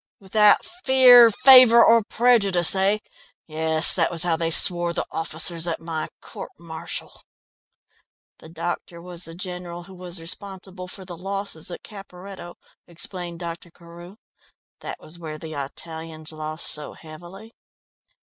"Without fear, favour or prejudice, eh? Yes, that was how they swore the officers at my court martial." "The doctor was the general who was responsible for the losses at Caperetto," explained Dr. Carew. "That was where the Italians lost so heavily."